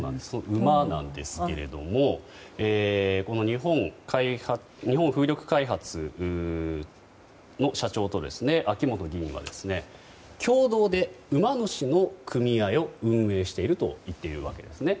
馬なんですけども日本風力開発の社長と秋本議員は、共同で馬主の組合を運営していると言っているわけですね。